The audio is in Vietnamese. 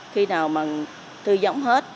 khi nào mà tư vấn hết